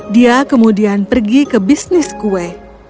dia kemudian pergi ke bisnis kue